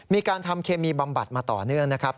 มีการทำเคมีบำบัดมาต่อเนื่องนะครับ